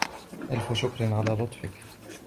ألف شكر على لطفك.